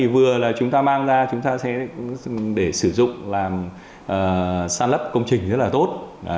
vừa là chúng ta mang ra chúng ta sẽ để sử dụng làm san lấp công trình rất là tốt